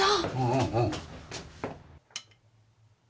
うんうん。